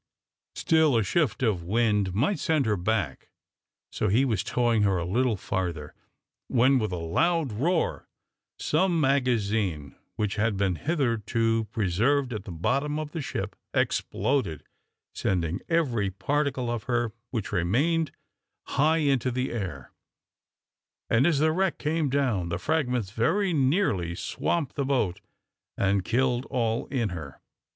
Still a shift of wind might send her back, so he was towing her a little farther, when, with a loud roar, some magazine, which had been hitherto preserved at the bottom of the ship, exploded, sending every particle of her which remained high into the air, and as the wreck came down, the fragments very nearly swamped the boat and killed all in her.